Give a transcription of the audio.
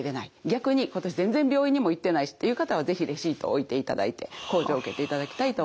逆に今年全然病院にも行ってないしという方は是非レシートを置いていただいて控除を受けていただきたいと思います。